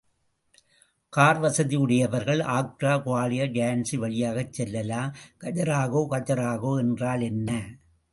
Car வசதி உடையவர்கள் ஆக்ரா, குவாலியர், ஜான்சி வழியாகச் செல்லலாம், கஜுராஹோ... கஜுராஹோ என்றால் என்ன?